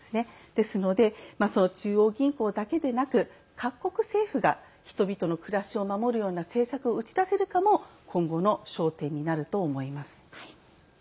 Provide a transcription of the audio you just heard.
ですので中央銀行だけでなく、各国政府が人々の暮らしを守るような政策を打ち出せるかも今後の焦点になると思います。